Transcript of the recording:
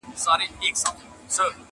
کیسې پاته د امیر سوې د ظلمونو!.